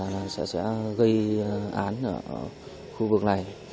là sẽ gây án ở khu vực này